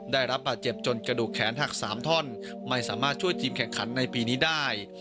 ได้รับบาดเจ็บจนกระดูกแขนหัก๓ท่อนไม่สามารถช่วยทีมแข่งขันในปีนี้ได้